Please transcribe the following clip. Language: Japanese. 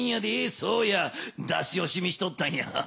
そうや出しおしみしとったんや。